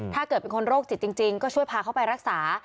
ถ้าเกิดเป็นคนโรคจิตจริงก็ช่วยพาเขาไปรักษา